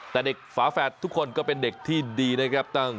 แต่เด็กฝาแฝดทุกคนก็เป็นเด็กที่ดีนะครับ